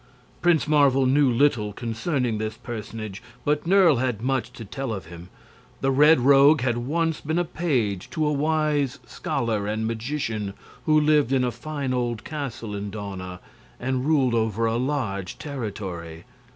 Prince Marvel knew little concerning this personage, but Nerle had much to tell of him. The Red Rogue had once been page to a wise scholar and magician, who lived in a fine old castle in Dawna and ruled over a large territory.